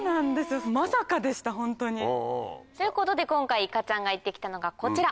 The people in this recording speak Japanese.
まさかでしたホントに。ということで今回いかちゃんが行ってきたのがこちら。